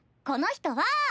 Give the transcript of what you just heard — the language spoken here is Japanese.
この人は。